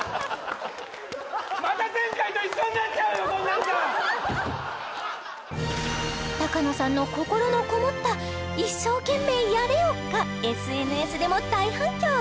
こんなんじゃ高野さんの心のこもった「一生懸命やれよ！」がＳＮＳでも大反響